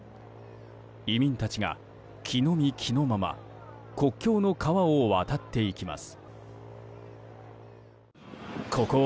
移民たちが着の身着のまま国境の川を渡っていきます。